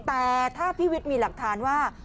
แต่ถ้าพี่วิทย์มีหลักฐานว่า